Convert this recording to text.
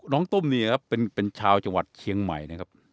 น้องตุ้มเนี่ยเป็นชาวจังหวัดเชียงใหม่